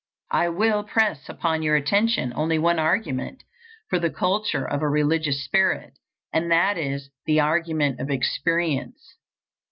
I will press upon your attention only one argument for the culture of a religious spirit, and that is the argument of experience.